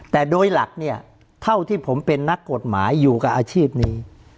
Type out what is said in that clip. แต่โดยหลักเนี่ยเท่าที่ผมเป็นนักกฎหมายอยู่กับอาชีพนี้